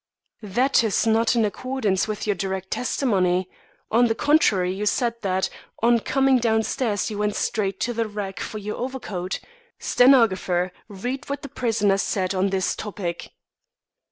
"That is not in accordance with your direct testimony. On the contrary, you said that on coming downstairs you went straight to the rack for your overcoat. Stenographer read what the prisoner said on this topic."